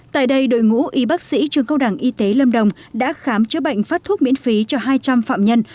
tại đây đội ngũ y bác sĩ trường câu đẳng y tế lâm đồng đã khám chữa bệnh phát thuốc miễn phí cho hai trăm linh phạm nhân